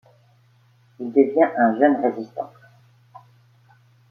Il devient un jeune résistant.